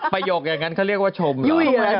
ประโยคอย่างนั้นเขาเรียกว่าชมอยู่